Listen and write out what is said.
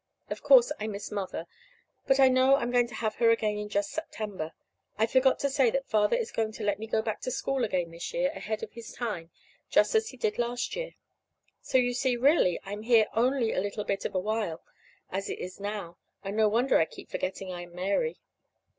Of course, I miss Mother, but I know I'm going to have her again in just September I forgot to say that Father is going to let me go back to school again this year ahead of his time, just as he did last year. So you see, really, I'm here only a little bit of a while, as it is now, and it's no wonder I keep forgetting I am Mary.